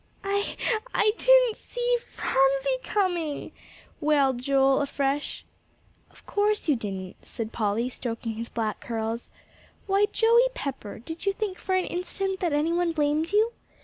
"I I didn't see Phronsie coming," wailed Joel afresh. "Of course you didn't," said Polly, stroking his black curls. "Why, Joey Pepper, did you think for an instant that any one blamed you?"